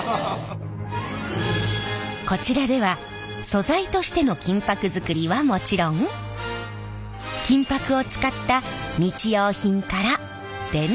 こちらでは素材としての金箔作りはもちろん金箔を使った日用品から伝統工芸品